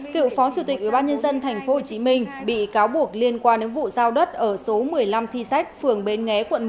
cựu phó chủ tịch ubnd tp hcm bị cáo buộc liên quan đến vụ giao đất ở số một mươi năm thi sách phường bến nghé quận một